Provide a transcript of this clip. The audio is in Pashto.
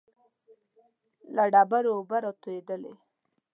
له ډبرو اوبه را تويېدلې.